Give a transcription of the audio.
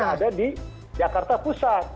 dan ada di jakarta pusat